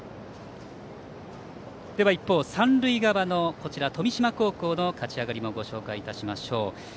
一方、三塁側の富島高校の勝ち上がりもご紹介しましょう。